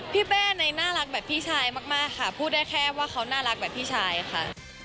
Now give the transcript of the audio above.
เป้ในน่ารักแบบพี่ชายมากค่ะพูดได้แค่ว่าเขาน่ารักแบบพี่ชายค่ะ